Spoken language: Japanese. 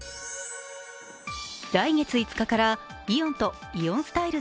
来月５日からイオンとイオンスタイル